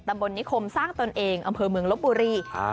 ตำบลนิคมสร้างตนเองอำเภอเมืองลบบุรี